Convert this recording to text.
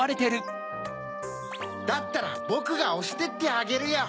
だったらボクがおしてってあげるよ。